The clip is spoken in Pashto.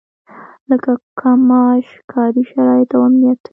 لکه کم معاش، کاري شرايط او امنيت.